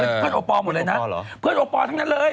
เพื่อนโอปอลหมดเลยนะเพื่อนโอปอลทั้งนั้นเลย